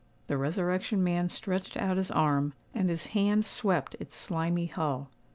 The Resurrection Man stretched out his arm, and his hand swept its slimy hull.